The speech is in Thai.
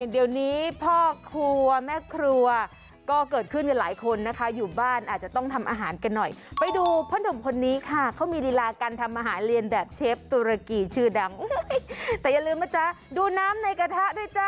เดี๋ยวนี้พ่อครัวแม่ครัวก็เกิดขึ้นกับหลายคนนะคะอยู่บ้านอาจจะต้องทำอาหารกันหน่อยไปดูพ่อหนุ่มคนนี้ค่ะเขามีลีลาการทำอาหารเรียนแบบเชฟตุรกีชื่อดังแต่อย่าลืมนะจ๊ะดูน้ำในกระทะด้วยจ้ะ